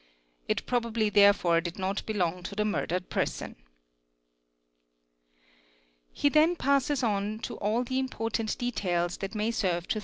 it probably there , fore did not belong to the murdered person." a He then passes on to all the important details that may serve to throw 2.